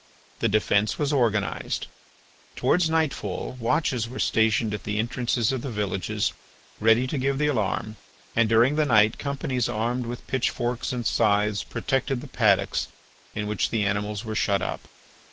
The defence was organised; towards nightfall watches were stationed at the entrances of the villages ready to give the alarm; and during the night companies armed with pitchforks and scythes protected the paddocks in which the animals were shut up.